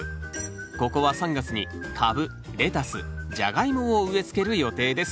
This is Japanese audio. ここは３月にカブレタスジャガイモを植えつける予定です。